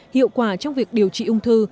hiệu quả trong việc điều trị ung thư